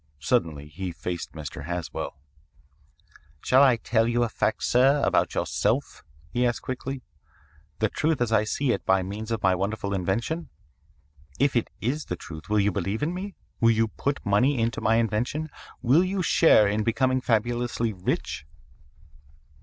Suddenly he faced Mr. Haswell. "'Shall I tell you a fact, sir, about yourself?' he asked quickly. 'The truth as I see it by means of my wonderful invention? If it is the truth, will you believe in me? Will you put money into my invention? Will you share in becoming fabulously rich?'